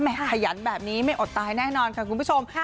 ขยันแบบนี้ไม่อดตายแน่นอนค่ะคุณผู้ชม